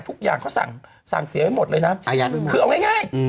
ทุกอย่างเขาสั่งสั่งเสียไว้หมดเลยนะอ่ะคือเอาง่ายง่ายอืม